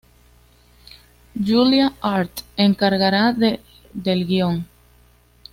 Julia Hart encargará del guion.